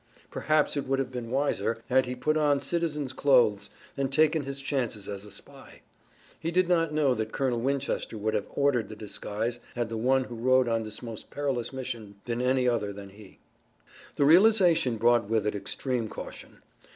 Perhaps it would have been wiser had he put on citizens clothes and taken his chances as a spy! He did not know that Colonel Winchester would have ordered the disguise had the one who rode on this most perilous mission been any other than he. The realization brought with it extreme caution.